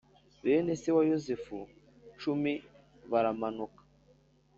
Bene se wa Yosefu cumi baramanuka